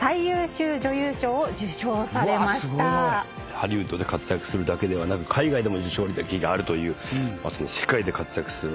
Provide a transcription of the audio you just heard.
ハリウッドで活躍するだけではなく海外でも受賞歴があるというまさに。